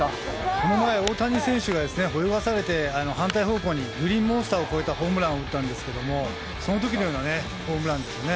この前、大谷選手が泳がされて反対方向にグリーンモンスターを越えたホームランを打ったんですがその時のようなホームランですよね。